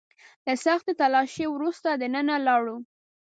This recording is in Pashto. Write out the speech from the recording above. له سختې تلاشۍ وروسته دننه لاړو.